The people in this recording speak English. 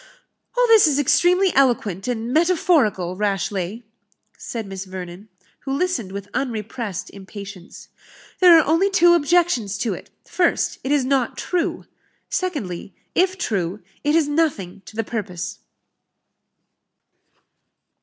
"All this is extremely eloquent and metaphorical, Rashleigh," said Miss Vernon, who listened with unrepressed impatience; "there are only two objections to it: first, it is not true; secondly, if true, it is nothing to the purpose."